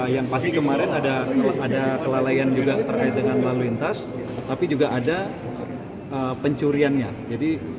yang pasti kemarin ada ada kelalaian juga terkait dengan laluintas tapi juga ada pencuriannya jadi